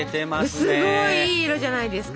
すごいいい色じゃないですか！